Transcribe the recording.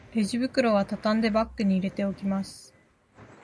レジ袋はたたんでバッグに入れておきます